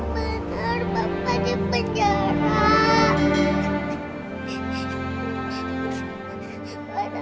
tidak benar bapak di penjara